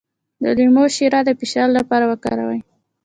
د لیمو شیره د فشار لپاره وکاروئ